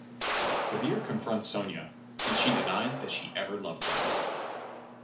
Kabir confronts Sonia and she denies that she ever loved him.